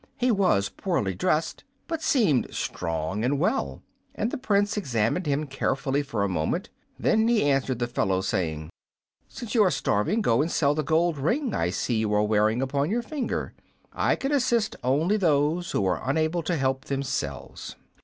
He was poorly dressed, but seemed strong and well, and the Prince examined him carefully for a moment. Then he answered the fellow, saying, "Since you are starving, go and sell the gold ring I see you are wearing upon your finger. I can assist only those who are unable to help themselves."